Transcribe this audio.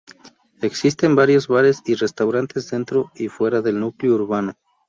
Existen varios bares y restaurantes dentro y fuera del núcleo urbano.